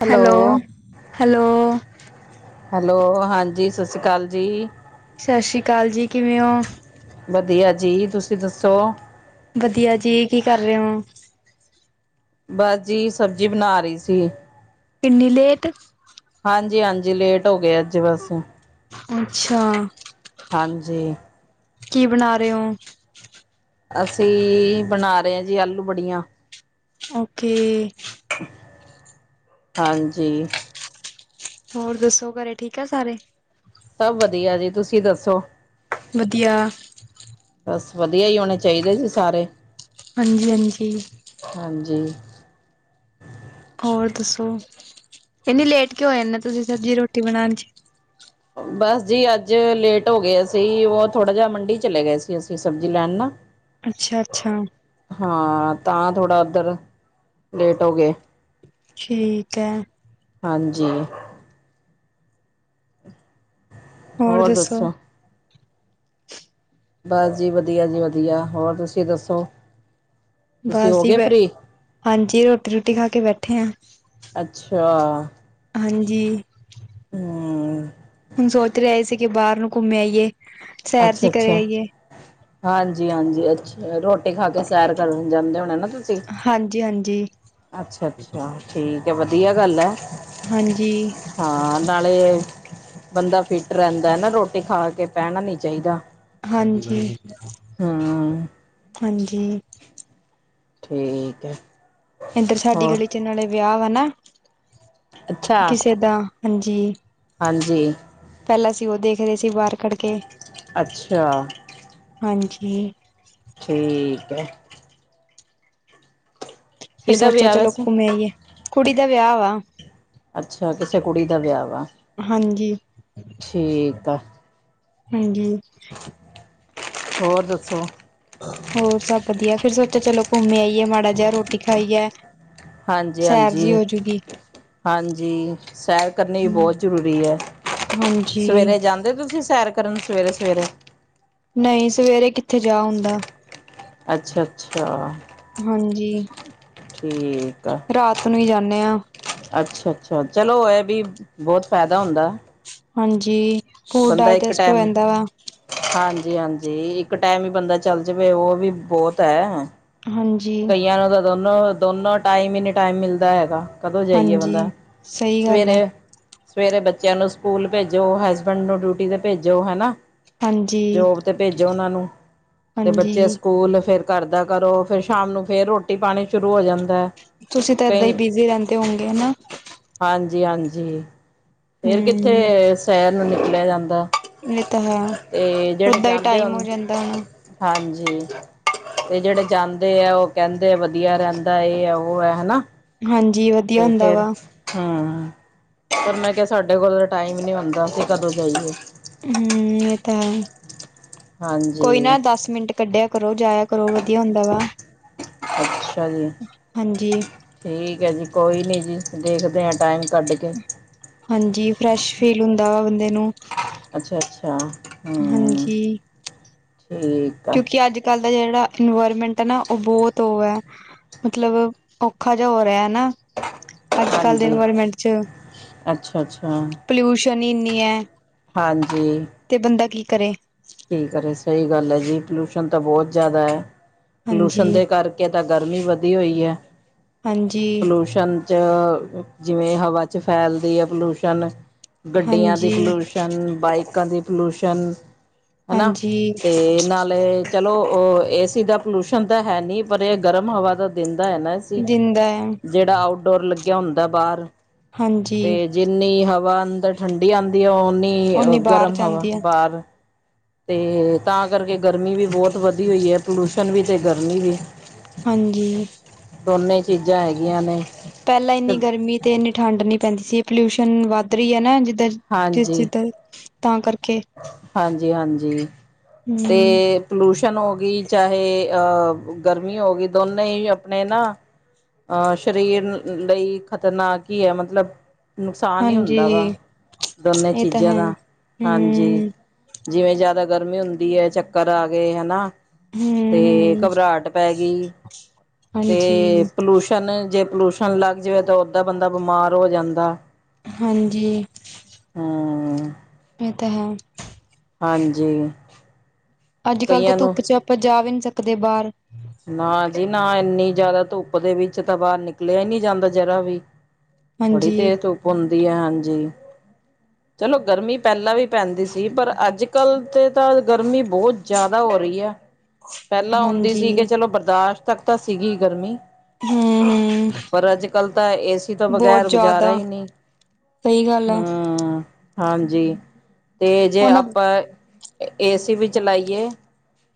Hello, hello. Hello ਹਾਂਜੀ ਸਤਿ ਸ਼੍ਰੀ ਅਕਾਲ ਜੀ ਸਤਿ ਸ਼੍ਰੀ ਅਕਾਲ ਜੀ, ਕਿਵੇਂ ਹੋ? ਵਧੀਆ ਜੀ, ਤੁਸੀਂ ਦੱਸੋ? ਵਧੀਆ ਜੀ, ਕੀ ਕਰ ਰਹੇ ਹੋ? ਬਸ ਜੀ ਸਬਜ਼ੀ ਬਣਾ ਰਹੀ ਸੀ। ਇੰਨੀ ਲੇਟ? ਹਾਂਜੀ ਹਾਂਜੀ, ਲੇਟ ਹੋ ਗਏ ਅੱਜ ਬਸ ਅੱਛਾ, ਹਾਂਜੀ ਕੀ ਬਣਾ ਰਹੇ ਹੋ? ਅਸੀਂ ਬਣਾ ਰਹੇ ਹਾਂ ਜੀ ਆਲੂ ਬੜੀਆਂ, ਓਕੇ ਹਾਂਜੀ। ਹੋਰ ਦੱਸੋ ਘਰੇ ਠੀਕ ਆ ਸਾਰੇ। ਸਭ ਵਧੀਆ ਜੀ ਤੁਸੀਂ ਦੱਸੋ? ਵਧੀਆ। ਬਸ ਵਧੀਆ ਹੀ ਹੋਣੇ ਚਾਹੀਦੇ ਜੀ ਸਾਰੇ। ਹਾਂਜੀ ਹਾਂਜੀ। ਹਾਂਜੀ। ਹੋਰ ਦੱਸੋ ਇੰਨੀ ਲੇਟ ਕਿਉਂ ਹੋ ਜਾਂਦੇ ਤੁਸੀਂ ਸਬਜ਼ੀ ਰੋਟੀ ਬਣਾਣ 'ਚ। ਬਸ ਜੀ ਅੱਜ ਲੇਟ ਹੋ ਗਏ ਸੀ ਉਹ ਥੋੜ੍ਹਾ ਜਿਹਾ ਮੰਡੀ ਚਲੇ ਗਏ ਸੀ ਅਸੀਂ ਸਬਜ਼ੀ ਲੈਣ ਨਾਲ। ਅੱਛਾ ਅੱਛਾ। ਹਾਂ ਤਾਂ ਥੋੜ੍ਹਾ ਉੱਧਰ ਲੇਟ ਹੋ ਗਏ। ਠੀਕ ਐ। ਹਾਂਜੀ। ਹੋਰ ਦੱਸੋ? ਬਸ ਜੀ ਵਧੀਆ ਜੀ ਵਧੀਆ ਹੋਰ ਤੁਸੀਂ ਦੱਸੋ। ਤੁਸੀਂ ਬਸ ਹੋ ਜੀ ਗਏ ਬ ਫ੍ਰਰੀ ਹਾਂਜੀ ਰੋਟੀ ਰੂਟੀ ਖਾ ਕੇ ਬੈਠੇ ਆ। ਹਾਂ, ਹਾਂਜੀ। ਹੂੰ, ਹੁਣ ਸੋਚ ਰਿਹਾ ਸੀ ਕਿ ਬਾਹਰ ਨੂੰ ਘੁੰਮੇ ਆਈ ਏ। ਅੱਛਾ ਅੱਛਾ। ਹਾਂਜੀ ਹਾਂਜੀ, ਅੱਛਾ ਰੋਟੀ ਖਾ ਕੇ ਸੈਰ ਕਰਨ ਜਾਂਦੇ ਹੋਣੇ ਨਾ ਤੁਸੀਂ। ਹਾਂਜੀ ਹਾਂਜੀ ਅੱਛਾ ਅੱਛਾ ਠੀਕ ਆ ਵਧੀਆ ਗੱਲ ਐ। ਹਾਂਜੀ। ਹਾਂ, ਨਾਲੇ ਬੰਦਾ ਫਿਟ ਰਹਿੰਦਾ ਨਾ ਰੋਟੀ ਖਾ ਕੇ ਪੈਣਾ ਨੀ। ਚਾਹੀਦਾ। ਹਾਂਜੀ ਹਮ ਹਾਂਜੀ। ਠੀਕ ਹੈ। ਇੱਧਰ ਸਾਡੀ ਹੋਰ ਗਲੀ ਚ ਨਾਲੇ ਵਿਆਹ ਵਾ ਨਾ ਅੱਛਾ ਕਿਸੇ ਦਾ। ਹਾਂਜੀ। ਹਾਂਜੀ। ਪਹਿਲਾਂ ਸੀ ਉਹ ਦੇਖਦੇਹੇ ਸੀ ਬਾਹਰ ਕਢ ਕੇ ਅੱਛਾ। ਹਾਂਜੀ। ਠੀਕ ਹੈ। ਫਿਰ ਕਿਹਦਾ ਸੋਚਿਆ ਵਿਆਹ ਚਲੋ ਵੈਸੇ ਘੁੰਮੇ ਆਈਏ ਕੁੜੀ ਦਾ ਵਿਆਹ ਵਾ। ਅੱਛਾ ਕਿਸੇ ਕੁੜੀ ਦਾ ਵਿਆਹ ਵਾ। ਹਾਂਜੀ। ਠੀਕ ਆ। ਹਾਂਜੀ। ਹੋਰ ਦੱਸੋ? ਹੋਰ ਸਭ ਵਧੀਆ ਫੇਰ ਸੋਚਿਆ ਚਲੋ ਘੁੰਮੇ ਆਈਏ ਮਾੜਾ ਜਿਹਾ ਰੋਟੀ ਖਾਈਏ। ਹਾਂਜੀ ਸੈਰ ਹਾਂਜੀ। ਜੀ ਹੋਜੂਗੀ ਹਾਂਜੀ ਸੈਰ ਕਰਨੀ ਵੀ ਬਹੁਤ ਜ਼ਰੂਰੀ ਐ। ਹਾਂਜੀ ਸਵੇਰੇ ਜਾਂਦੇ ਤੁਸੀਂ ਸੈਰ ਕਰਨ ਸਵੇਰੇ ਸਵੇਰੇ। ਨਹੀਂ ਸਵੇਰੇ ਕਿੱਥੇ ਜਾ ਹੁੰਦਾ। ਅੱਛਾ ਅੱਛਾ। ਹਾਂਜੀ ਠੀਕ ਆ। ਰਾਤ ਨੂੰ ਹੀ ਜਾਂਦੇ ਹਾਂ। ਅੱਛਾ ਅੱਛਾ ਚਲੋ ਹੋ ਵੀ ਬਹੁਤ ਫਾਇਦਾ ਹੁੰਦਾ। ਹਾਂਜੀ ਫੂਡ ਬੰਦਾ ਇੱਕ ਡਾਇਜਸਟ ਹੋ ਟਾਈਮ ਜਾਂਦਾ ਵਾ। ਹਾਂਜੀ ਹਾਂਜੀ ਇੱਕ ਟਾਈਮ ਹੀ ਬੰਦਾ ਚੱਲ ਜਾਵੇ ਉਹ ਵੀ ਬਹੁਤ ਐ। ਹਾਂਜੀ। ਕਈਆਂ ਨੂੰ ਤਾਂ ਦੋਨੋਂ, ਦੋਨੋਂ ਟਾਈਮ ਹੀ ਨੀ ਟਾਈਮ ਮਿਲਦਾ ਹੈਗਾ। ਕਦੋਂ ਜਾਈਏ ਬੰਦਾ, ਹਾਂਜੀ ਸਹੀ ਗੱਲ ਹੈ ਸਵੇਰੇ ਸਵੇਰੇ ਬੱਚਿਆਂ ਨੂੰ ਸਕੂਲ ਭੇਜੋ, ਹਸਬੈਂਡ ਨੂੰ ਡਿਊਟੀ ਤੇ ਭੇਜੋ ਹਨਾ। ਹਾਂਜੀ। ਤੇ ਭੇਜੋ ਉਹਨਾਂ ਨੂੰ। ਤੇ ਬੱਚੇ ਹਾਂਜੀ ਸਕੂਲ, ਫਿਰ ਘਰ ਦਾ ਕਰੋ ਫਿਰ ਸ਼ਾਮ ਨੂੰ ਫੇਰ ਰ੍ਹੋਟੀ-ਪਾਣੀ ਸ਼ੁਰੂ ਹੋ ਜਾਂ ਤੁਸੀਂ ਤਾਂ ਏਦਾਂ ਹੀ ਬਿਜ਼ੀ ਰਹਿੰਦੇ ਹੋਂਗੇ, ਹੈਨਾ? ਹਾਂਜੀ-ਹਾਂਜੀ, ਫੇਰ ਹਮ ਕਿੱਥੇ ਸ਼ੈਰ ਨੂੰ ਨਿਕਲਿਆ ਜਾਂਦਾ। ਇਹ ਤਾਂ ਹੈ ਤੇ, ਜਿਹੜੇ ਓਦਾਂ ਹੀ ਜਾਂਦੇ ਟਾਈਮ ਹੋਨ ਹੋ ਜਾਂਦਾ ਹੋਣਾ ਹਾਂਜੀ, ਤੇ ਜਿਹੜੇ ਜਾਂ ਦੇ ਆ, ਉਹ ਕਹਿੰਦੇ ਆ ਵਧੀਆ ਰਹਿੰਦਾ, ਇਹ ਆ, ਉਹ ਹੈ ਹਨਾ। ਹਾਂਜੀ। ਵਧੀਆ ਤੇ ਹੁੰਦਾ ਫੇਰ ਵਾ ਹੂੰ, ਪਰ ਮੈਂ ਕਿਹਾ ਸਾਡੇ ਕੋਲ ਟਾਈਮ ਤ ਈ ਨਹੀਂ ਹੁੰਦਾ, ਅਸੀ ਕਦੋਂ ਜਾਈਏ। ਹੂੰ, ਇਹ ਤਾ ਹੈਂ, ਕੋਈ ਹਾਂਜੀ ਨਾ ਦਸ-ਮਿੰਟ ਕੱਢਿਆ ਕਰੋ, ਜਾਇਆ ਕਰੋ, ਵਧੀਆ ਹੁੰਦਾ ਵਾ। ਅੱਛਾ ਜੀ। ਹਾਂਜੀ। ਠੀਕ ਹੈ ਜੀ, ਕੋਈ ਨਹੀਂ ਜੀ, ਦੇਖਦੇ ਹਾਂ ਟਾਈਮ ਕੱਢਕੇ। ਹਾਂਜੀ, ਫਰੈਸ਼ ਫੀਲ ਹੁੰਦਾ ਵਾ ਬੰਦੇ ਨੂੰ। ਅੱਛਾ- ਅੱਛਾ। ਹੂੰ ਹਾਂਜੀ। ਠੀਕ ਆ ਕਿਉਂਕਿ ਅੱਜ-ਕੱਲ ਦਾ ਜਿਹੜਾ ਇਨਵਾਇਰਮੈਂਟ ਆ ਨਾ, ਉਹ ਬਹੁਤ ਉਹ ਐ। ਮਤਲਬ, ਔਖਾ ਜਿਹਾ ਹੋ ਰਿਹਾ ਨਾ ਅੱਜ-ਕੱਲ ਦੇ ਇਨਵਾਇਰਮੈਂਟ'ਚ। ਅੱਛਾ-ਅੱਛਾ, ਇੰਨੀ ਹੈ ਹਾਂਜੀ ਤੇ, ਬੰਦਾ ਕੀ ਕਰੇ। ਕੀ ਕਰੇ ਸਹੀ ਗੱਲ ਐ ਜੀ, ਪੋਲਿਊਸ਼ਨ ਤਾਂ ਬਹੁਤ ਜ਼ਿਆਦਾ ਐ। ਹਾਂਜੀ ਪੋਲੂਸ਼ਨ ਦੇ ਕਰਕੇ ਤਾਂ ਗਰਮੀ ਵਧੀ ਹੋਈ ਹੈ। ਹਾਂਜੀ ਪਲੂਸ਼ ਚ ਜਿਵੇਂ ਹਵਾ'ਚ ਫੈਲਦੀ ਐ, ਪੋਲੂਸ਼ਨ‌। ਗੱਡੀਆਂ ਦੀ ਹਾਂਜੀ ਪਲੁਸ਼ਨ, ਬਾਈਕਾਂ ਦੀ ਪਲੁਸ਼ਨ। ਹਨਾ, ਹਾਂਜੀ ਤੇ ਨਾਲ ਚਲੋ, ਉਹ ਏਸੀ ਦਾ ਪਲੂਸ਼ਨ ਤਾਂ ਹੈ ਨੀ, ਪਰ ਇਹ ਗਰਮ ਹਵਾ ਤਾ ਦਿੰਦਾ ਐ ਨਾ। ਸੀ, ਦਿੰਦਾ ਹੈ ਜਿਹੜਾ ਆਊਟਡੋਰ ਲੱਗ ਗਿਆ ਹੁੰਦਾ ਬਾਹਰ, ਹਾਂਜੀ ਤੇ ਜਿੰਨੀ ਹਵਾ ਅੰਦਰ ਠੰਡੀ ਆਂਦੀ ਆ, ਓਹਨੀ ਓਨੀ ਨੀ, ਬਾਹਰ ਗਰਮ ਹਵਾ ਜਾਂਦੀ ਹੈ ਬਾਹਰ। ਤੇ, ਤਾਂ ਕਰਕੇ ਗਰਮੀ ਵੀ ਬਹੁਤ ਵਧੀ ਹੋਈ ਏ, ਪੋਲੂਸ਼ਨ ਵੀ ਤੇ ਗਰਮੀ ਵੀ। ਹਾਂਜੀ। ਦੋਨੇ ਚੀਜ਼ਾਂ ਹੈਗੀਆਂ ਨੇ। ਪਹਿਲਾਂ ਤੇ ਇੰਨੀ ਗਰਮੀ ਤੇ, ਇੰਨੀ ਠੰਢ ਨੀ ਪੈਂਦੀ ਸੀ, ਇਹ ਪੋਲਿਊਸ਼ਨ ਵੱਧ ਰਹੀ ਹੈ ਨਾ, ਜਿੱਦਾਂ ਕਿਸ ਚੀਜ਼, ਤਾਂ ਕਰਕੇ। ਹਾਂਜੀ-ਹਾਂਜੀ, ਤੇ ਹਮ ਪੋਲੂਸ਼ਨ ਹੋ ਗਈ, ਚਾਹੇ ਅ ਗਰਮੀ ਹੋ ਗਈ ਦੋਨੇ ਹੀ ਅਪਣੇ ਨਾ ਅਹ, ਸਰੀਰ ਲਈ ਖ਼ਤਰਨਾਕ ਹੀ ਹੈ, ਮਤਲਬ ਨੁਕਸਾਨ ਈ ਹਾਂਜੀ ਹੁੰਦਾ ਵਾ, ਦੋਨੇ ਇਹ ਤਾਂ ਚੀਜ਼ਾਂ ਹੈ ਦਾ। ਹਾਂਜੀ। ਹਮ ਜਿਵੇਂ ਜ਼ਿਆਦਾ ਗਰਮੀ ਹੁੰਦੀ ਹੈ ਚੱਕਰ ਆ ਗਏ, ਹਨਾ। ਹਮ ਤੇ, ਹਮ ਘਬਰਾਹਟ ਪੈ ਗਈ ਤੇ, ਹਾਂਜੀ ਪਲੂਸ਼ਨ ਪਲੁਸ਼ਨ, ਜੇ ਪੋਲਊਸ਼ਨ ਲੱਗ ਜਾਵੇ ਤਾਂ ਓਦਾਂ ਬੰਦਾ ਬਿਮਾਰ ਹੋ ਜਾਂਦਾ। ਹਾਂਜੀ। ਹਮ ਇਹ ਤਾਂ ਹੈ। ਹਾਂਜੀ। ਅੱਜ ਕੱਲ੍ਹ ਤਾਂ ਕਈਆਂ ਨੂੰ ਧੁੱਪ ਚ ਆਪਾਂ ਜਾ ਵੀ ਨਹੀਂ ਸਕਦੇ ਬਾਹਰ। ਨਾ ਜੀ ਨਾ ਇੰਨੀ ਜ਼ਿਆਦਾ ਧੁੱਪ ਦੇ ਵਿੱਚ ਤਾਂ ਬਾਹਰ ਨਿਕਲਿਆ ਹੀ ਨਹੀਂ ਜਾਂਦਾ ਜਰਾ ਵੀ ਬੜੀ ਹਾਂਜੀ ਤੇਜ਼ ਧੁੱਪ ਹੁੰਦੀ ਹੈ ਹਾਂਜੀ। [inaudible] ਚਲੋ ਗਰਮੀ ਪਹਿਲਾਂ ਵੀ ਪੈਂਦੀ ਸੀ ਪਰ ਅੱਜ ਕੱਲ੍ਹ ਤੇ ਤਾਂ ਗਰਮੀ ਬਹੁਤ ਜ਼ਿਆਦਾ ਹੋ ਰਹੀ ਹੈ। [inaudible] ਪਹਿਲਾਂ ਹੁੰਦੀ ਹਾਂਜੀ ਸੀ ਕਿ ਚਲੋ ਬਰਦਾਸ਼ਤ ਤੱਕ ਤਾਂ ਸੀਗੀ ਗਰਮੀ ਹਮ ਹਮ ਪਰ ਅੱਜ ਕੱਲ ਤਾਂ ਏਸੀ ਤੋਂ ਬਹੁਤ ਬਗ਼ੈਰ ਗੁਜ਼ਾਰਾ ਜ਼ਿਆਦਾ ਹੀ ਨਹੀਂ ਸਹੀ ਗੱਲ ਹੈ। ਹੂੰ, ਹਾਂਜੀ ਤੇ ਜੇ ਉਹਨਾਂ ਆਪਾਂ ਏ ਸੀ ਵੀ ਚਲਾਈਏ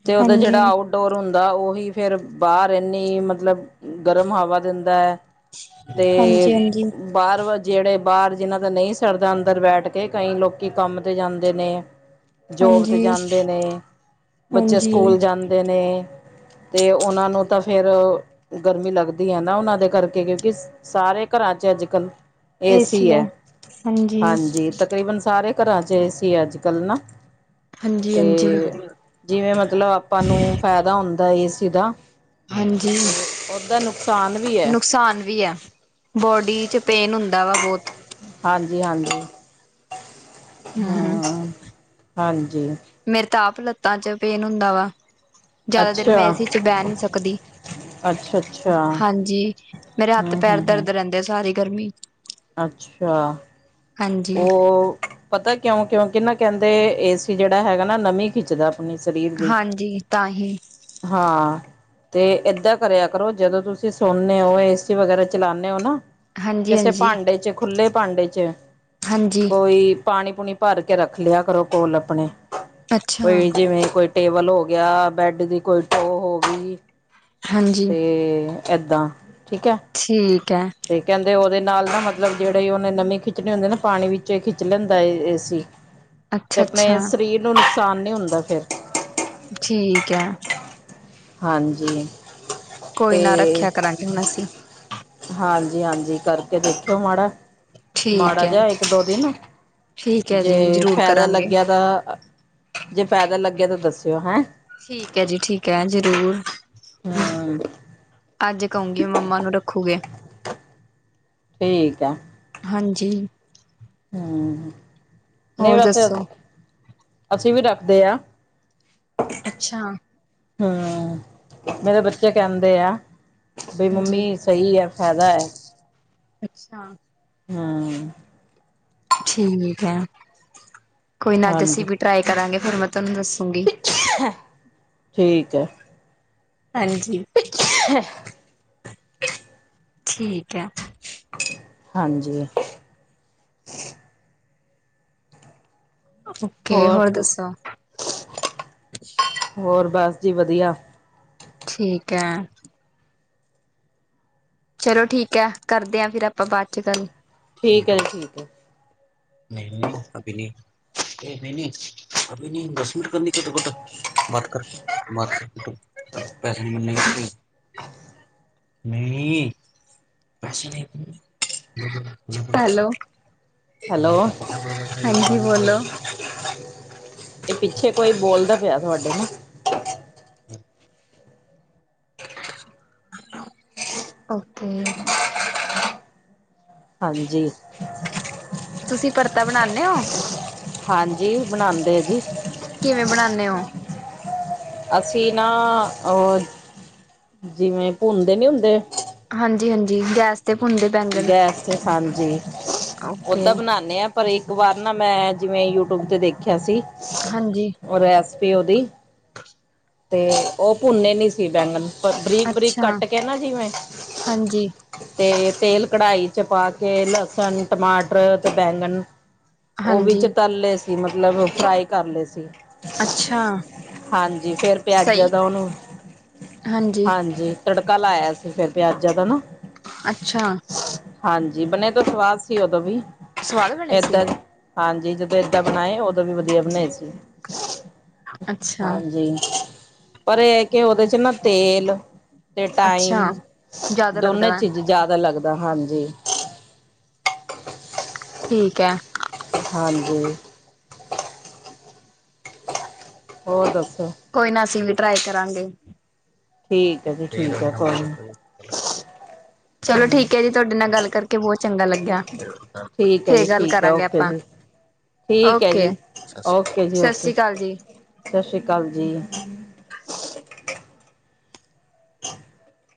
ਤੇ ਉਦੋਂ ਹਾਂਜੀ ਜਿਹੜਾ ਆਊਟਡੋਰ ਹੁੰਦਾ ਉਹੀ ਫੇਰ ਬਾਹਰ ਇੰਨੀ ਮਤਲਬ ਗਰਮ ਹਵਾ ਦਿੰਦਾ ਹੈ। ਤੇ ਹਾਂਜੀ ਹਾਂਜੀ ਬਾਹਰ ਵਾ ਜਿਹੜੇ ਬਾਹਰ ਜਿਹਨਾਂ ਦਾ ਨਹੀਂ ਸਕਦਾ ਅੰਦਰ ਬੈਠ ਕੇ ਕਈ ਲੋਕ ਕੰਮ ਤੇ ਜਾਂਦੇ ਨੇ [inaudible] ਜੋਬ ਤੇ ਹਾਂਜੀ ਜਾਂਦੇ ਨੇ ਬੱਚੇ ਹਾਂਜੀ ਸਕੂਲ ਜਾਂਦੇ ਨੇ ਅਤੇ ਉਹਨਾਂ ਨੂੰ ਤਾਂ ਫੇਰ ਗਰਮੀ ਲੱਗਦੀ ਹੈ ਨਾ ਉਹਨਾਂ ਦੇ ਕਰਕੇ ਕਿਉਂਕਿ ਸਾਰੇ ਘਰਾਂ ਚ ਅੱਜ ਕੱਲ ਏਸੀ ਹੈ ਹਾਂਜੀ ਤਕਰੀਬਨ ਸਾਰੇ ਘਰਾਂ 'ਚ ਏ ਸੀ ਅੱਜ ਕੱਲ ਨਾ ਹਾਂਜੀ ਤੇ ਹਾਂਜੀ ਜਿਵੇਂ ਮਤਲਬ ਆਪਾਂ ਨੂੰ ਫਾਇਦਾ ਹੁੰਦਾ ਏ ਸੀ ਦਾ ਹਾਂਜੀ ਓਦਾ ਨੁਕਸਾਨ ਵੀ ਐ ਨੁਕਸਾਨ ਵੀ ਹੈ। ਬੋਡੀ ਚ ਪੇਨ ਹੁੰਦਾ ਵਾ ਬਹੁਤ। ਹਾਂਜੀ ਹਾਂਜੀ ਹਮ ਹਾਂਜੀ। ਮੇਰੇ ਤਾਂ ਆਪ ਲੱਤਾਂ ਚ ਪੇਨ ਹੁੰਦਾ ਵਾ ਜ਼ਿਆਦਾ ਦੇਰ ਮੈਂ ਅੱਛਾ ਇਸੀ ਚ ਬਹਿ ਨਹੀਂ ਸਕਦੀ। ਅੱਛਾ ਅੱਛਾ ਹਾਂਜੀ ਮੇਰੇ ਹੱਥ ਹੂੰ ਪੈਰ ਹੂੰ ਹੂੰ ਦਰਦ ਰਹਿੰਦੇ ਸਾਰੀ ਗਰਮੀ ਅੱਛਾ। ਹਾਂਜੀ ਉਹ ਪਤਾ ਕਿਉਂ ਕਿਉਂਕਿ ਨਾ ਕਹਿੰਦੇ ਏ ਸੀ ਜਿਹੜਾ ਹੈਗਾ ਨਾ ਨਵੀਂ ਖਿੱਚਦਾ ਆਪਣੇ ਸਰੀਰ ਦੀ ਹਾਂਜੀ ਤਾਂ ਹੀ ਹਾਂ ਤੇ ਏਦਾਂ ਕਰਿਆ ਕਰੋ ਜਦੋਂ ਤੁਸੀਂ ਸੌੰਦੇ ਹੋ ਏਸੀ ਵਗੈਰਾ ਚਲਾਉਂਦੇ ਹੋ ਨਾ ਹਾਂਜੀ ਕਿਸੇ ਹਾਂਜੀ ਭਾਂਡੇ ਚ ਖੁੱਲੇ ਭਾਂਡੇ ਚ ਹਾਂਜੀ। ਕੋਈ ਪਾਣੀ ਪੂਣੀ ਭਰ ਕੇ ਰੱਖ ਲਿਆ ਕਰੋ ਕੋਲ ਆਪਣੇ ਅੱਛਾ ਕੋਈ ਜਿਵੇਂ ਕੋਈ ਟੇਬਲ ਹੋ ਗਿਆ ਬੈਡ ਦੀ ਕੋਈ ਟੋ ਹਾਂਜੀ ਤੇ ਏਦਾਂ ਠੀਕ ਹੈ। ਠੀਕ ਹੈ। ਤੇ ਕਹਿੰਦੇ ਉਹਦੇ ਨਾਲ ਨਾ ਮਤਲਬ ਜਿਹੜੇ ਉਹਨੇ ਨਵੀ ਖਿੱਚਣੀ ਹੁੰਦੀ ਨਾ ਪਾਣੀ ਵਿੱਚੋ ਹੀ ਖਿੱਚ ਲੈਂਦਾ ਏ ਸੀ [inaudible] ਤੇ ਆਪਣੇ ਅੱਛਾ ਸਰੀਰ ਨੂੰ ਨੁਕਸਾਨ ਨੀ ਹੁੰਦਾ ਫੇਰ ਠੀਕ ਹੈ। ਹਾਂਜੀ ਕੋਈ ਨਾ ਤੇ ਰੱਖਿਆ ਕਰਾਂਗੇ ਹੁਣ ਅਸੀਂ ਹਾਂਜੀ ਹਾਂਜੀ ਕਰਕੇ ਦੇਖਿਓ ਮਾੜਾ ਠੀਕ ਮਾੜਾ ਹੈ ਜਿਹਾ ਇੱਕ ਦੋ ਦਿਨ ਠੀਕ ਹੈ ਜੀ ਜੇ ਜ਼ਰੂਰ ਫਾਇਦਾ ਕਰਾਂਗੇ ਲੱਗਿਆ ਤਾਂ ਜੇ ਫਾਇਦਾ ਲੱਗਿਆ ਤਾਂ ਦੱਸਿਓ ਹੈਂ। ਠੀਕ ਹੈ ਜੀ ਠੀਕ ਹੈ ਜ਼ਰੂਰ ਹਾਂ ਅੱਜ ਕਹੂਗੀ ਮੰਮਾ ਨੂੰ ਰੱਖੂਗੇ ਠੀਕ ਆ। ਹਾਂਜੀ। ਹੂੰ, ਨਹੀਂ ਹੋਰ ਵੈਸੇ, ਦੱਸੋ ਅਸੀਂ ਵੀ ਡਰਦੇ ਹਾਂ। ਅੱਛਾ। ਹਾਂ, ਮੇਰੇ ਬੱਚੇ ਕਹਿੰਦੇ ਆ, ਵੀ ਹਾਂਜੀ ਮੰਮੀ ਸਹੀ ਹੈ ਫਾਇਦਾ ਹੈ। ਅੱਛਾ। ਹਾਂ। ਠੀਕ ਹੈ, ਕੋਈ ਨਾ ਅੱਜ ਅਸੀਂ ਹਾਂਜੀ ਵੀ ਟਰਾਈ ਕਰਾਂਗੇ ਫਿਰ ਮੈਂ ਤੁਹਾਨੂੰ ਦੱਸੂਗੀ। ਠੀਕ ਹੈ। ਹਾਂਜੀ। [unintelligible] ਠੀਕ ਹੈ। ਹਾਂਜੀ। ਓਕੇ, ਹੋਰ ਦੱਸੋ? ਹੋਰ ਬਸ ਜੀ ਵਧੀਆ। ਠੀਕ ਐ। ਚਲੋ ਠੀਕ ਐ, ਕਰਦੇ ਆ ਫੇਰ ਆਪਾਂ ਬਾਅਦ ਚ ਗੱਲ। ਠੀਕ ਹੈ ਜੀ ਠੀਕ ਹੈ ਨਹੀਂ-ਨਹੀਂ, ਅਭੀ ਨੀ, ਇਹ ਮ ਅਭੀ ਨਹੀਂ ਦ [unintelligible] ਦੀ ਕਦਵ ਕੁੱਟ, ਬਾਤ ਕਰ ਪੈਸੇੇ ਨਹੀਂ, ਨਹੀਂ, ਹੈਲੋ, ਹੈਲੋ ਹਾਂਜੀ ਬੋਲੋ, ਇਹ ਪਿੱਛੇ ਕੋਈ ਬੋਲਦਾ ਪਿਆ ਤੁਹਾਡੇ, [inaudible] ਓਕੇ। ਹਾਂਜੀ। ਤੁਸੀਂ ਪਰਤਾ ਬਣਾਨੇ ਹੋ? ਹਾਂਜੀ, ਬਣਾਉਂਦੇ ਸੀ। ਕਿਵੇਂ ਬਣਾਨੇ ਹੋ? ਅਸੀਂ ਨਾ ਉਹ, ਜਿਵੇਂ ਭੁੰਨਦੇ ਨੀ ਹੁੰਦੇ, ਹਾਂਜੀ-ਹਾਂਜੀ, ਗੈਸ ਤੇ ਭੁੰਨਦੇ ਬੈਂਗਣ ਗੈਸ ਤੇ ਹਾਂਜੀ ਓਕੇ ਓਦਾ ਬਣਾਦੇ ਹਾਂ। ਪਰ ਇੱਕ ਵਾਰ ਨਾ ਮੈਂ ਜਿਵੇਂ ਯੂਟਿਊਬ ਤੇ ਦੇਖਿਆ ਸੀ, ਹਾਂਜੀ। ਉਹ ਰੈਸਪੀ ਉਹਦੀ, ਤੇ ਉਹ ਭੁੰਨੇ ਨਹੀਂ ਸੀ ਬੈਂਗਣ, ਪਰ ਬਰੀਕ ਬਰੀਕ ਅੱਛਾ ਕੱਟ ਕੇ ਨਾ ਜਿਵੇਂ, ਹਾਂਜੀ ਤੇ ਤੇਲ ਕੜਾਹੀ ਚ ਪਾ ਕੇ ਲਸਣ ਟਮਾਟਰ ਤੇ ਬੈਂਗਣ, ਉਹ ਵਿੱਚ ਹਾਂਜੀ ਤਲਏ ਸੀ ਮਤਲਬ ਫਰਾਈ ਕਰ ਲਏ ਸੀ। ਅੱਛਾ ਹਾਂਜੀ ਫੇਰ ਪਿਆਜ਼ਾ ਸਹੀ ਦਾ ਉਹਨੂੰ, ਹਾਂਜੀ, ਤੜਕਾ ਲਾਇਆ ਸੀ ਫਿਰ ਪਿਆਜਾਂ ਦਾ ਨਾ ਅੱਛਾ। ਹਾਂਜੀ, ਬਨੇ ਤੋਂ ਸਵਾਦ ਸੀ ਉਦੋਂ ਵੀ, ਸਵਾਦ ਬਣੇ ਸੀ ਏਦਾਂ ਹਾਂਜੀ, ਜਦੋਂ ਇੱਦਾਂ ਬਣਾਏ ਉਦੋਂ ਵੀ ਵਧੀਆ ਬਣਾਏ ਸੀ। ਅੱਛਾ ਹਾਂਜੀ, ਪਰ ਇਹ ਕੇ ਉਹਦੇ ਚ ਨਾ ਤੇਲ ਤੇ ਅੱਛਾ ਟਾਈਮ, ਜ਼ਿਆਦਾ ਲੱਗਦਾ ਦੋਨੇ ਵਾ ਚੀਜ਼ ਜ਼ਿਆਦਾ ਲੱਗਦਾ ਹਾਂਜੀ। ਠੀਕ ਐ। ਹਾਂਜੀ। ਹੋਰ ਦੱਸੋਂ? ਕੋਈ ਨਾ ਅਸੀਂ ਵੀ ਟਰਾਏ ਕਰਾਂਗਾ। ਠੀਕ ਹੈ ਜੀ ਠੀਕ ਹੈ ਕੋਈ [inaudible] ਚਲੋ ਨਹੀਂ ਠੀਕ ਐ ਜੀ, ਤੁਹਾਡੇ ਨਾਲ ਗੱਲ ਕਰਕੇ ਬਹੁਤ ਚੰਗਾ ਲੱਗਿਆ। ਠੀਕ ਐ ਜੀ ਫੇਰ ਗੱਲ ਠੀਕ ਐ, ਕਰਾਂਗੇ ਓਕੇ ਆਪਾਂ ਜੀ। ਠੀਕ ਐ ਓਕੇ ਜੀ, ਓਕੇ ਜੀ ਸਤਿ ਓਕੇ, ਸ੍ਰੀ ਅਕਾਲ ਜੀ ਸਤਿ ਸ੍ਰੀ ਅਕਾਲ ਜੀ।